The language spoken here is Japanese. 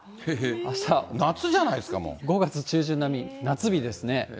夏じゃないですか、５月中旬並み、夏日ですね。